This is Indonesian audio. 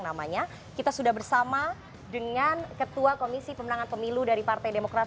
namanya kita sudah bersama dengan ketua komisi pemenangan pemilu dari partai demokrat